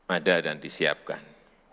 ada dan disiapkan